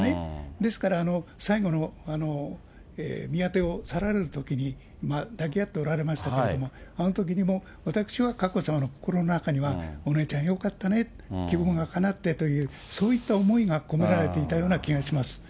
ですから最後の宮邸を去られるときに抱き合っておられましたけれども、あのときにも私は佳子さまの心の中には、お姉ちゃんよかったね、希望がかなってという、そういった思いが込められていたような気がいたします。